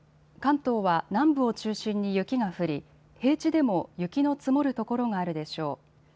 関東は南部を中心に雪が降り平地でも雪の積もる所があるでしょう。